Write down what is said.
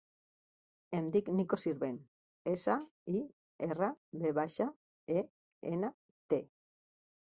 Em dic Niko Sirvent: essa, i, erra, ve baixa, e, ena, te.